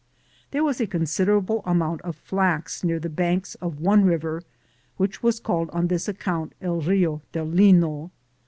There was a considerable amount of flax near the banks of one river, which was called on this ac count El Bio del Lino.